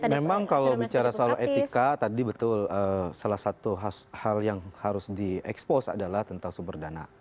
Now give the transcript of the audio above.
memang kalau bicara soal etika tadi betul salah satu hal yang harus di expose adalah tentang sumber dana